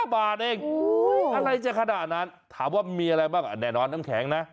บาทเองอะไรจะขนาดนั้นถามว่ามีอะไรบ้างแน่นอนน้ำแข็งนะ